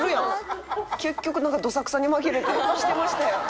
結局どさくさに紛れてしてましたやん。